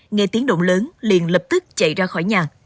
nghe tiếng động lớn liền lập tức chạy ra khỏi nhà